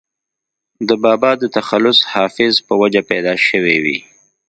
دَبابا دَ تخلص “حافظ ” پۀ وجه پېدا شوې وي